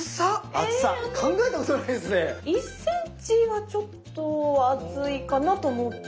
１ｃｍはちょっと厚いかなと思う。